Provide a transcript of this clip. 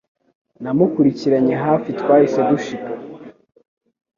Namukurikiranye hafi twahise dushika